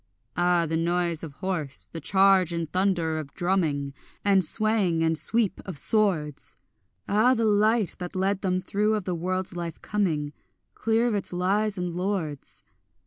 Ah the noise of horse, the charge and thunder of drumming, And swaying and sweep of swords! Ah the light that led them through of the world's life coming, Clear of its lies and lords!